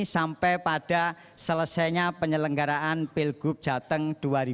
sampai pada selesainya penyelenggaraan pilgub jateng dua ribu delapan belas